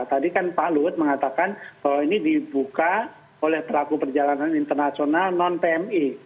tadi kan pak lut mengatakan bahwa ini dibuka oleh pelaku perjalanan internasional non pmi